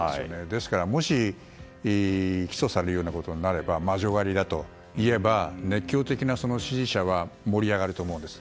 ですから、もし起訴されるようなことになれば魔女狩りだと言えば熱狂的な支持者は盛り上がると思うんです。